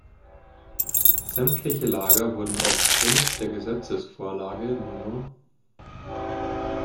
Sämtliche Lager wurden aufgrund der Gesetzesvorlage No.